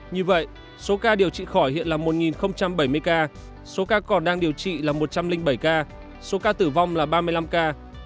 như vậy số ca điều trị khỏi hiện là một bảy mươi ca số ca còn đang điều trị là một trăm linh bảy ca số ca tử vong là ba mươi năm ca